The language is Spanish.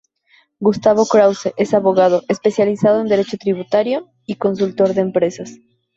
Gustavo Krause es abogado, especializado en Derecho Tributario, y consultor de empresas.